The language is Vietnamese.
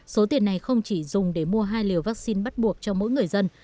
số tiền này không chỉ dùng để mua hai liều vaccine bắt buộc cho mỗi người dân